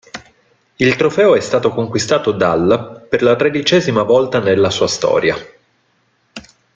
Il trofeo è stato conquistato dal per la tredicesima volta nella sua storia.